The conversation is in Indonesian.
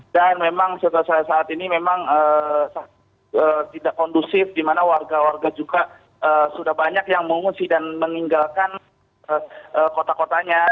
dan memang setelah saat ini memang tidak kondusif dimana warga warga juga sudah banyak yang mengungsi dan meninggalkan kota kotanya